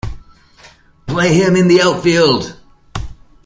Play him in the outfield.